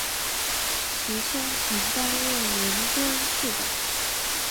其兄曾经担任伦敦市长。